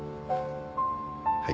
はい。